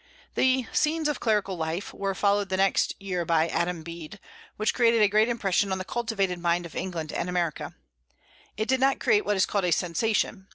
The "Scenes of Clerical Life" were followed the next year by "Adam Bede," which created a great impression on the cultivated mind of England and America. It did not create what is called a "sensation."